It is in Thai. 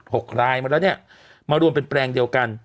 หกรายมาแล้วเนี่ยมารวมเป็นแปลงเดียวกัน